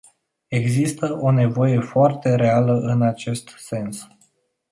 Există o nevoie foarte reală în acest sens.